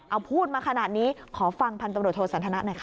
เอาพูดมาขนาดนี้ขอฟังพันธมโดโทสันธนาค่ะ